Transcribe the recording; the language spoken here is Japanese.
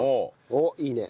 おっいいね。